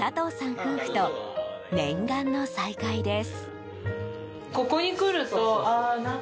夫婦と念願の再会です。